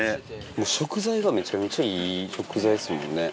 もう食材がめちゃめちゃいい食材ですもんね。